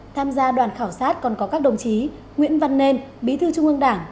tham gia đoàn khảo sát còn có các đồng chí nguyễn văn nên bí thư trung ương đảng